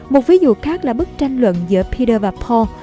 một ví dụ khác là bức tranh luận giữa peter và paul